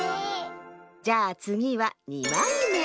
じゃあつぎは２まいめ。